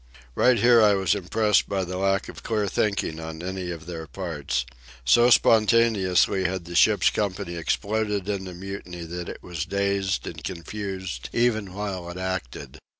Right here I was impressed by the lack of clear thinking on any of their parts. So spontaneously had the ship's company exploded into mutiny that it was dazed and confused even while it acted.